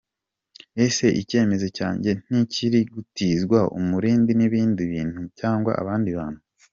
Ese icyemezo cyanjye nti kiri gutizwa umurindi n’ibindi bintu? cyangwa abandi bantu?.